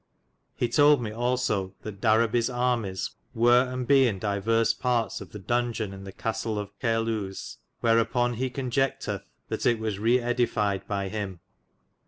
'"^ He tolde me also that Darabies armes were and be in dyvers partes of the doungein in the castelle of Cairlues; where apon he conjectithe that it was reedified by hym.